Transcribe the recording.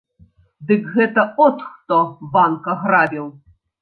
Дык гэта от хто банк аграбіў!